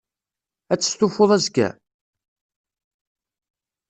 Ad testufuḍ azekka?